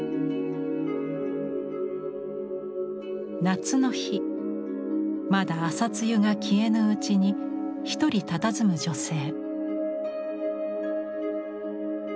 夏の日まだ朝露が消えぬうちに一人たたずむ女性。